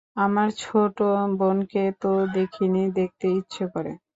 আমার ছোটো বোনকে তো দেখিনি, দেখতে ইচ্ছে করে।